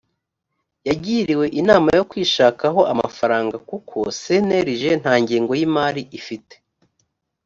yagiriwe inama yo kwishakaho amafaranga kuko cnlg nta ngengo y imari ifite